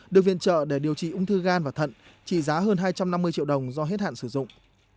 được viện trợ để điều trị ung thư gan và thận trị giá hơn hai trăm năm mươi triệu đồng do hết hạn sử dụng